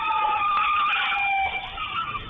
สวัสดีครับทุกคน